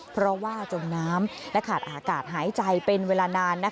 เพราะว่าจมน้ำและขาดอากาศหายใจเป็นเวลานาน